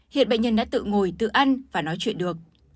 hiện bệnh nhân đã tự ngồi tự ăn và nói chuyện được